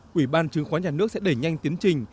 quỹ ban chứng khoán nhà nước sẽ đẩy nhanh tiến trình